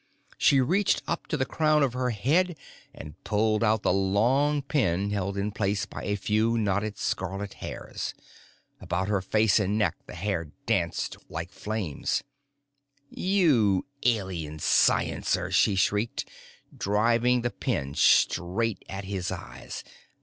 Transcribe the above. She reached up to the crown of her head and pulled out the long pin held in place by a few knotted scarlet hairs. About her face and neck the hair danced like flames. "You Alien sciencer!" she shrieked, driving the pin straight at his eyes.